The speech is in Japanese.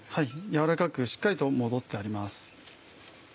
やわらかくしっかりと戻ってあります。